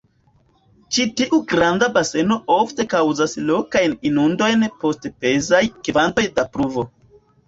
Ĉi-tiu granda baseno ofte kaŭzas lokajn inundojn post pezaj kvantoj da pluvo.